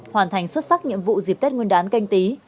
hoàn thành xuất sắc nhiệm vụ dịp tết nguyên đán canh tí